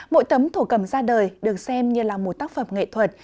mỗi tấm thổ cầm ra đời được xem như là một tác phẩm nghệ thuật